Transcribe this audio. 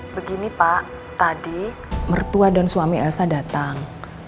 begini pak tadi mertua dan suami elsa datang